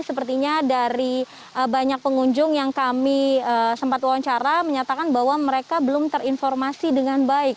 sepertinya dari banyak pengunjung yang kami sempat wawancara menyatakan bahwa mereka belum terinformasi dengan baik